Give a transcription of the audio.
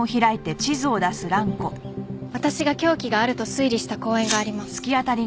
私が凶器があると推理した公園があります。